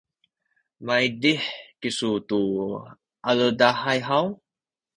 maydih kisu tu aledahay haw?